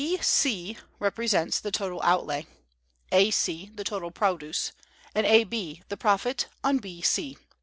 B C represents the total outlay, A C the total produce, and A B the profit on B C.